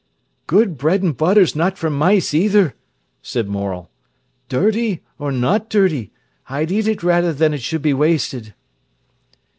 "Good bread an' butter's not for mice, either," said Morel. "Dirty or not dirty, I'd eat it rather than it should be wasted."